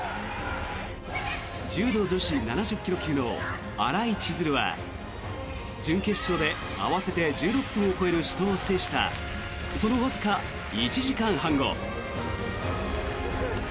柔道女子７０ｋｇ級の新井千鶴は準決勝で合わせて１６分を超える死闘を制したそのわずか１時間半後。